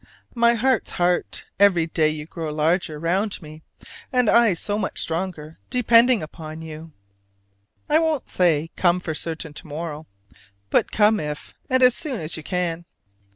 My heart's heart, every day you grow larger round me, and I so much stronger depending upon you! I won't say come for certain, to morrow: but come if, and as soon as, you can.